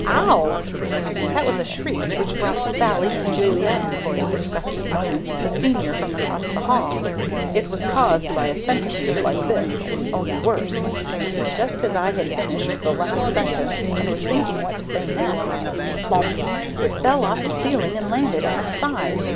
Ow !!!!!! That was a shriek which brought Sallie and Julia and (for a disgusted moment) the Senior from across the hall. It was caused by a centipede like this: only worse. Just as I had finished the last sentence and was thinking what to say next plump! it fell off the ceiling and landed at my side.